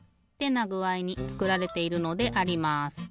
なぐあいにつくられているのであります。